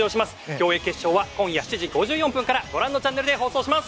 競泳決勝は今夜７時５４分からご覧のチャンネルで放送します。